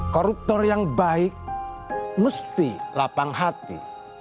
koruptor yang baik mesti lapang hati